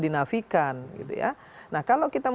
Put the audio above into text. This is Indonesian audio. diangkatkan kalau kita